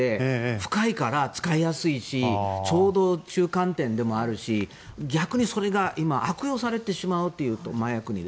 深いから使いやすいしちょうど中間点でもあるし逆にそれが今、悪用されてしまうという麻薬に。